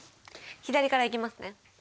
左からいきますね。